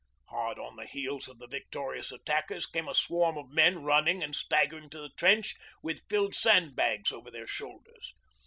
Hard on the heels of the victorious attackers came a swarm of men running and staggering to the trench with filled sandbags over their shoulders.